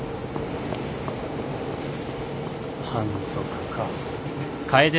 反則か。